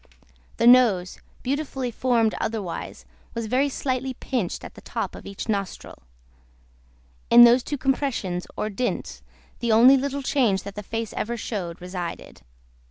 The nose, beautifully formed otherwise, was very slightly pinched at the top of each nostril. In those two compressions, or dints, the only little change that the face ever showed, resided.